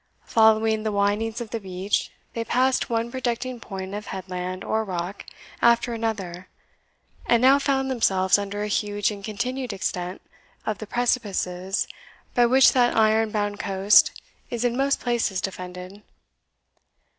Following the windings of the beach, they passed one projecting point of headland or rock after another, and now found themselves under a huge and continued extent of the precipices by which that iron bound coast is in most places defended.